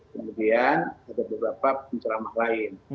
kemudian ada beberapa penceramah lain